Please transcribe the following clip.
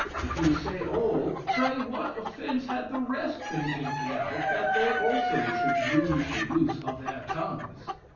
If you say all, pray what offence had the rest been guilty of, that they also should lose the use of their tongues?